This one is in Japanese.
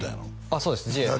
あっそうです時英